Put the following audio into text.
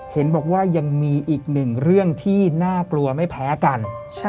เห็นบอกว่ายังมีอีกหนึ่งเรื่องที่น่ากลัวไม่แพ้กัน